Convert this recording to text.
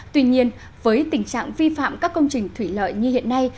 tuy nhiên với tình trạng vi phạm các công trình thủy lợi như hiện nay